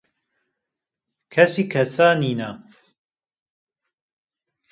Kesî kesa nîne